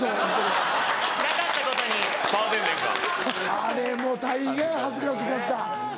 あれも大概恥ずかしかった